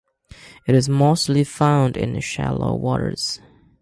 It is mostly found in shallow waters.